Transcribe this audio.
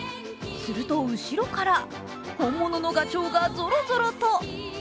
すると、後ろから、本物のガチョウがぞろぞろと。